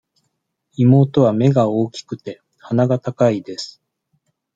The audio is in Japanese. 妹は目が大きくて、鼻が高いです。